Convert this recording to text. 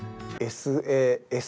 ＳＡＳ。